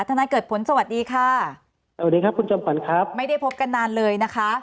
ทนายเกิดผลสวัสดีค่ะไม่ได้พบกันนานเลยนะคะ